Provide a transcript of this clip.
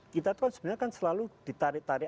kita kan selalu ditarik tarik